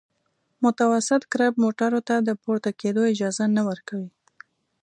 متوسط کرب موټرو ته د پورته کېدو اجازه نه ورکوي